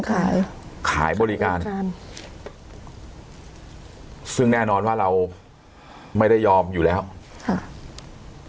ขายขายบริการใช่ซึ่งแน่นอนว่าเราไม่ได้ยอมอยู่แล้วค่ะ